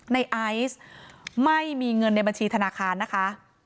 ในไอซ์ไม่มีเงินในบัญชีธนาคารนะคะ